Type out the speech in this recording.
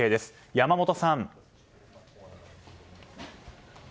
山本さん。